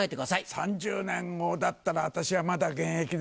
３０年後だったら私はまだ現役でしょうね。